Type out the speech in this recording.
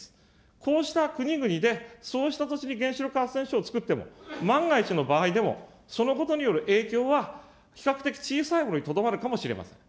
こうした国々で、そうした土地に原子力発電所を造っても、万が一の場合でも、そのことによる影響は、比較的小さいものにとどまるかもしれません。